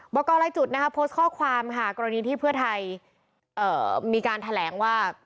กรลายจุดนะคะโพสต์ข้อความค่ะกรณีที่เพื่อไทยมีการแถลงว่า